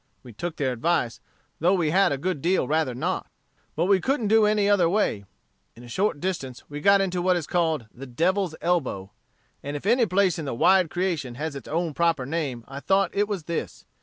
We took their advice, though we had a good deal rather not. But we couldn't do any other way. In a short distance we got into what is called the Devil's Elbow. And if any place in the wide creation has its own proper name I thought it was this.